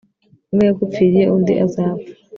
umwe yagupfiriye, undi azapfa